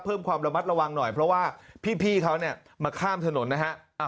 เพิ่มความระมัดระวังหน่อยเพราะว่าพี่เขาเนี่ยมาข้ามถนนนะฮะ